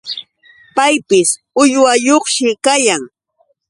Paypis uywayuqshi kayan.